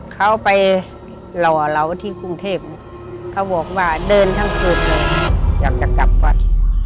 เขาไปหล่อเราที่กรุงเทพเขาบอกว่าเดินทั้งจุดเลยอยากจะกลับวัด